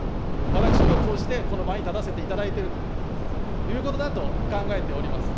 私もこうしてこの場に立たせていただいているということだと考えております。